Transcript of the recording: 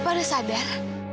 bapak udah sadar